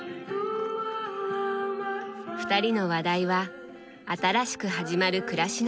２人の話題は新しく始まる暮らしのこと。